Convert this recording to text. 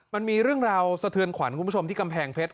มันมีเรื่องราวสะเทือนขวัญคุณผู้ชมที่กำแพงเพชร